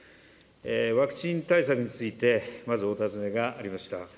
ワクチン対策について、まずお尋ねがありました。